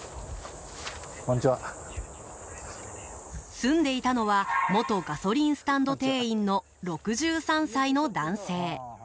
住んでいたのは元ガソリンスタンド店員の６３歳の男性。